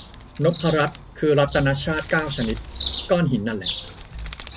นพรัตน์ คือรัตนชาติเก้าชนิด ก้อนหินน่ะแหละ